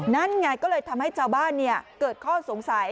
นั่นไงก็เลยทำให้ชาวบ้านเกิดข้อสงสัย